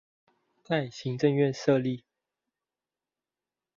在行政院設立